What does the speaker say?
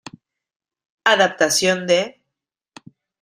Adaptación de